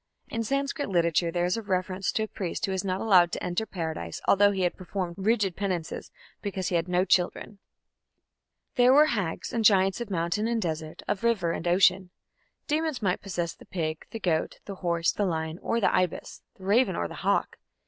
In Sanskrit literature there is a reference to a priest who was not allowed to enter Paradise, although he had performed rigid penances, because he had no children. There were hags and giants of mountain and desert, of river and ocean. Demons might possess the pig, the goat, the horse, the lion, or the ibis, the raven, or the hawk.